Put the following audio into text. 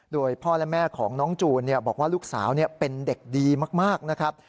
โดยพ่อและแม่ของน้องจูนบอกว่าลูกสาวเป็นเด็กดีมากนะครับ